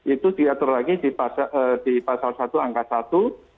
itu diatur lagi di pasal satu angka satu